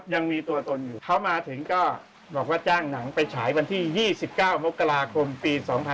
ยังมีตัวตนอยู่เขามาถึงก็บอกว่าจ้างหนังไปฉายวันที่๒๙มกราคมปี๒๕๖๒